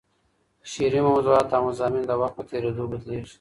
شعري موضوعات او مضامین د وخت په تېرېدو بدلېږي.